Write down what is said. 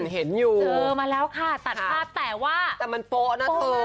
เห็นอยู่เจอมาแล้วค่ะตัดภาพแต่ว่าแต่มันโป๊ะนะเธอ